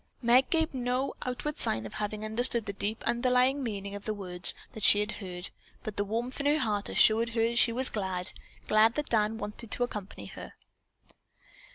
Meg gave no outward sign of having understood the deep underlying meaning of the words that she had heard, but the warmth in her heart assured her that she was glad, glad that Dan wanted to accompany her.